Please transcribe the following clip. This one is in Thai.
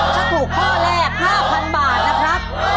ถ้าถูกข้อแรก๕๐๐๐บาทนะครับ